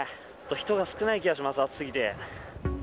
人が少ない気がします、暑すぎて。